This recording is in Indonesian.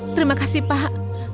terima kasih pak